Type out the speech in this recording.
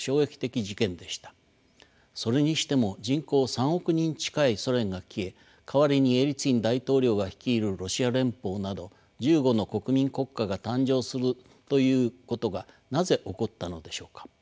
それにしても人口３億人近いソ連が消え代わりにエリツィン大統領が率いるロシア連邦など１５の国民国家が誕生するということがなぜ起こったのでしょうか。